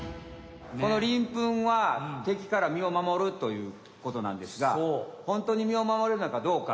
このりんぷんは敵からみを守るということなんですがホントにみを守れるのかどうか。